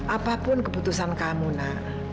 apapun keputusan kamu nak